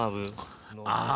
ああ！